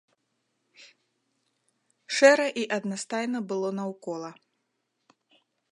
Шэра і аднастайна было наўкола.